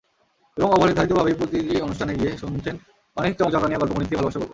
এবং অবধারিতভাবেই প্রতিটি অনুষ্ঠানে গিয়ে শুনছেন অনেক চমক-জাগানিয়া গল্প, গণিতকে ভালোবাসার গল্প।